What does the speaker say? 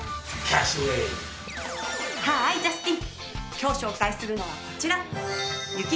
今日紹介するのはこちら。